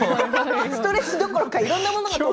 ストレスどころかいろんなものが。